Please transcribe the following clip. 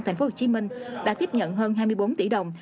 thành phố hồ chí minh đã tiếp nhận hơn hai mươi bốn tỷ đồng